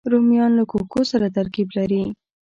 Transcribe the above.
رومیان له کوکو سره ترکیب لري